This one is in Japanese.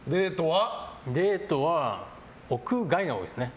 デートは、屋外が多いですね。